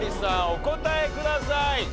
お答えください。